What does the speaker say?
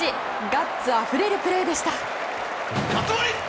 ガッツあふれるプレーでした。